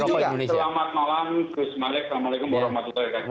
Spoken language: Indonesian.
selamat malam bismillahirrahmanirrahim